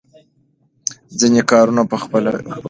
ځینې کارونه په خپله کېږي.